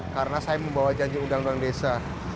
karena saya membawa janji undang undang desa